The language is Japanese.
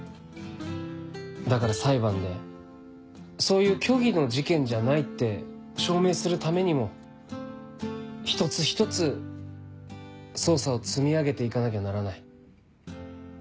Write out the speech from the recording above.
だから裁判でそういう虚偽の事件じゃないって証明するためにも一つ一つ捜査を積み上げて行かなきゃならない。